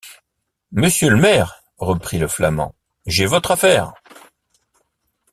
Monsieur le maire, reprit le flamand, j’ai votre affaire.